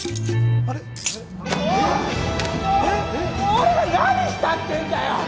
俺が何したってんだよ！